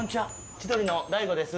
千鳥の大悟です。